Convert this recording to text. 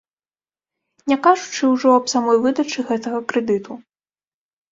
Не кажучы ўжо аб самой выдачы гэтага крэдыту.